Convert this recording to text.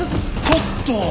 ちょっと。